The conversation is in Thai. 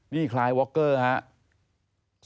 นี่คลายวอคเกอร์ฮะ